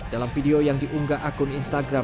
dalam video yang diunggah akun instagram